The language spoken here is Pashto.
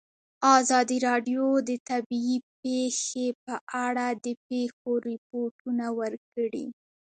ازادي راډیو د طبیعي پېښې په اړه د پېښو رپوټونه ورکړي.